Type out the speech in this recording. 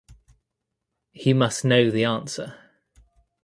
He must know the answer.